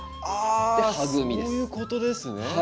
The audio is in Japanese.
あそういうことですね。